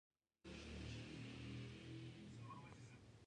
افغانستان کې پابندي غرونه په هنري اثارو کې منعکس کېږي.